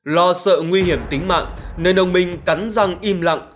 lo sợ nguy hiểm tính mạng nên ông minh cắn răng im lặng